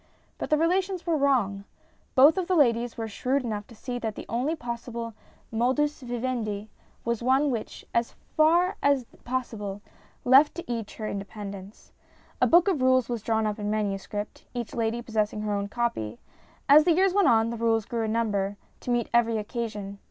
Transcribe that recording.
But the relations were wrong. Both of the ladies were shrewd enough to see that the only possible modus vivendi was one which, as far as 254 STORIES IN GREY possible, left to each her independence. A book of rules was drawn up in manuscript, each lady possessing her own copy. As the years went on the rules grew in number, to meet every occasion.